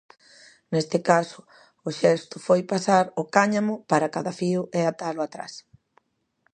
Neste caso, o xesto foi pasar o cáñamo para cada fío e atalo atrás.